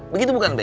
begitu bukan be